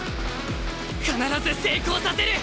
必ず成功させる！